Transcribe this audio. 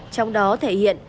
trong đó thể hiện